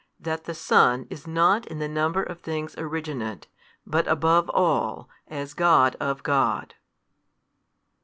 That the Son is not in the number of things originate, but above all, as God of God.